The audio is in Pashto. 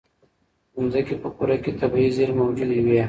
د ځمکې په کوره کې طبیعي زېرمې موجودې وي.